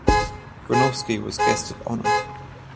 Gronowski was guest of honour.